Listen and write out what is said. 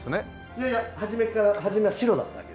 いやいや初めから初めは白だったわけです。